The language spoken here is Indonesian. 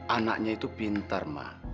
anaknya itu pintar ma